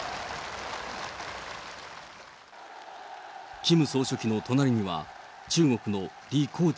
キム総書記の隣には、中国の李鴻忠